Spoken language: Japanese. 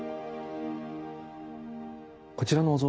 こちらのお像